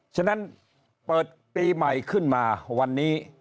ฉะนั้นเปิดปีใหม่ขึ้นมาวันนี้